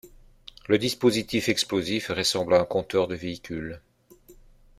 Le dispositif explosif ressemble à un compteur de véhicules.